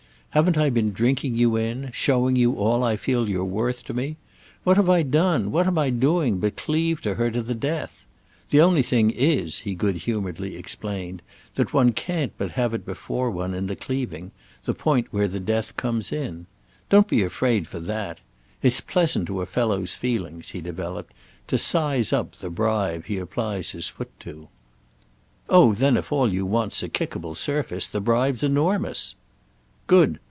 Haven't I been drinking you in—showing you all I feel you're worth to me? What have I done, what am I doing, but cleave to her to the death? The only thing is," he good humouredly explained, "that one can't but have it before one, in the cleaving—the point where the death comes in. Don't be afraid for that. It's pleasant to a fellow's feelings," he developed, "to 'size up' the bribe he applies his foot to." "Oh then if all you want's a kickable surface the bribe's enormous." "Good.